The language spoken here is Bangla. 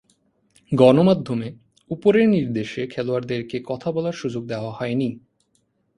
গণমাধ্যমে ‘উপরের নির্দেশে’ খেলোয়াড়দেরকে কথা বলার সুযোগ দেয়া হয়নি।